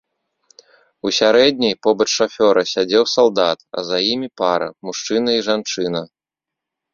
У сярэдняй побач шафёра сядзеў салдат, а за імі пара, мужчына і жанчына.